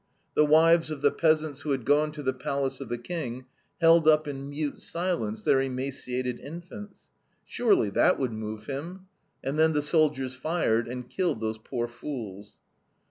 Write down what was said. The wives of the peasants who had gone to the palace of the King, held up in mute silence their emaciated infants. Surely that would move him. And then the soldiers fired and killed those poor fools.